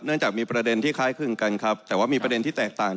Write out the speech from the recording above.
เนื่องจากมีประเด็นที่คล้ายขึ้นกันแต่ว่ามีประเด็นที่แตกต่าง